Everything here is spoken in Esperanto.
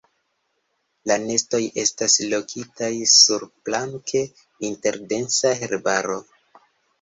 La nestoj estas lokitaj surplanke inter densa herbaro.